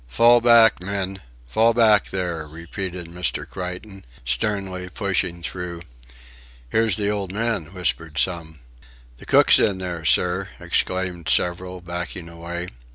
"Fall back, men! Fall back, there!" repeated Mr. Creighton, sternly, pushing through. "Here's the old man," whispered some. "The cook's in there, sir," exclaimed several, backing away.